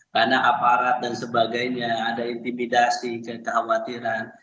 karena aparat dan sebagainya ada intimidasi kekhawatiran